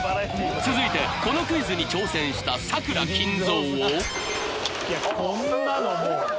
続いてこのクイズに挑戦したこんなのもう。